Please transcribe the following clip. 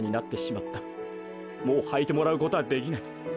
もうはいてもらうことはできない。